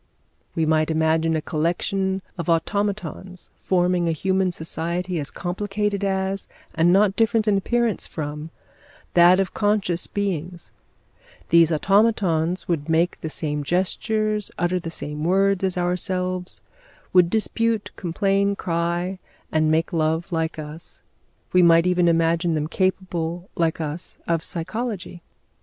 We might imagine a collection of automatons forming a human society as complicated as, and not different in appearance from, that of conscious beings; these automatons would make the same gestures, utter the same words as ourselves, would dispute, complain, cry, and make love like us; we might even imagine them capable, like us, of psychology.